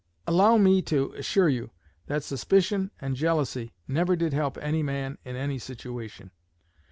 Allow me to assure you that suspicion and jealousy never did help any man in any situation.